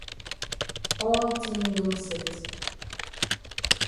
All tin don set.